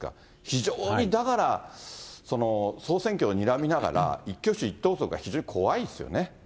非常にだから、総選挙をにらみながら、一挙手一投足が非常に怖いですよね。